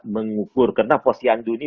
mengukur karena pos yandu ini